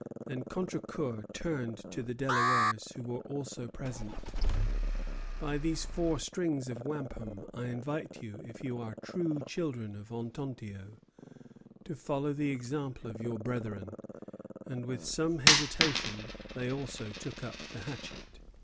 Then Contrecœur turned to the Delawares, who were also present: "By these four strings of wampum I invite you, if you are true children of Onontio, to follow the example of your brethren;" and with some hesitation they also took up the hatchet.